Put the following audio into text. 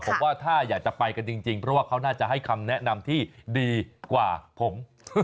ผมว่าถ้าอยากจะไปกันจริงเพราะว่าเขาน่าจะให้คำแนะนำที่ดีกว่าผม